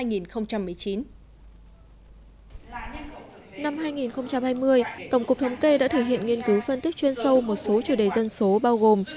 năm hai nghìn hai mươi tổng cục thống kê đã thể hiện nghiên cứu phân tích chuyên sâu một số chủ đề dân số bao gồm